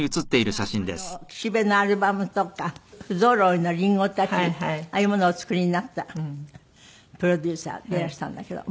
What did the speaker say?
まあ『岸辺のアルバム』とか『ふぞろいの林檎たち』ああいうものをお作りになったプロデューサーでいらしたんだけど。